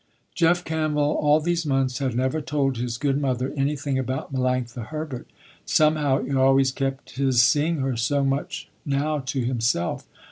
Jeff Campbell, all these months, had never told his good mother anything about Melanctha Herbert. Somehow he always kept his seeing her so much now, to himself.